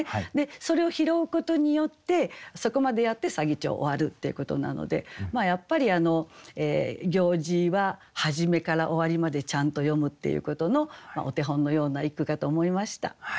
それを拾うことによってそこまでやって左義長終わるっていうことなのでやっぱり行事は始めから終わりまでちゃんと詠むっていうことのお手本のような一句かと思いました。